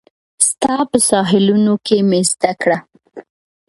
ستا په ساحلونو کې مې زده کړه